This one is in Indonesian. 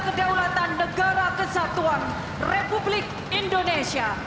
kedaulatan negara kesatuan republik indonesia